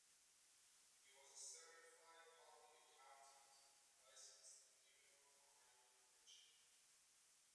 He was a Certified Public Accountant, licensed in New York, Ohio and Virginia.